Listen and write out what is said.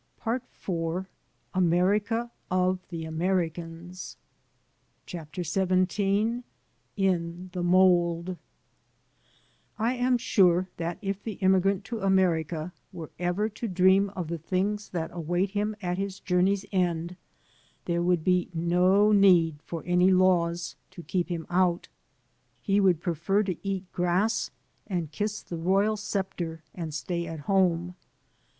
PART IV AMERICA OF THE AMERICANS \ xvn m THE MOLD I AM sure that if the immigrant to America were ever to dream of the things that await him at his journey's end there would be no need for any laws to keep him out. He would prefer to eat grass and kiss the royal scepter and stay at home.